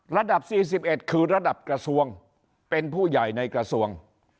ระดับ๔๑คือระดับกระทรวงเป็นผู้ใหญ่ในกระทรวง